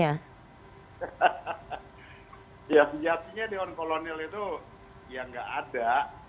ya sejatinya dewan kolonel itu ya nggak ada